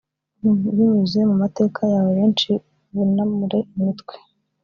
binyuze mu mateka yawe benshi bunamure imitwe